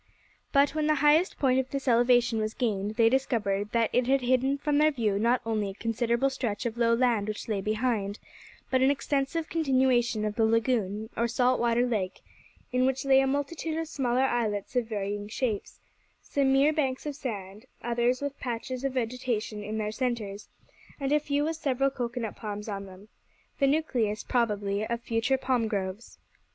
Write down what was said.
But when the highest point of this elevation was gained, they discovered that it had hidden from their view not only a considerable stretch of low land which lay behind, but an extensive continuation of the lagoon, or salt water lake, in which lay a multitude of smaller islets of varying shapes, some mere banks of sand, others with patches of vegetation in their centres, and a few with several cocoa nut palms on them, the nucleus, probably, of future palm groves.